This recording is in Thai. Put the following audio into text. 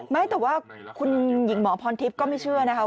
ไม่แต่ว่าคุณหญิงหมอพรทิพย์ก็ไม่เชื่อนะคะ